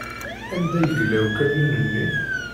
Anda yella ukamyun-nni?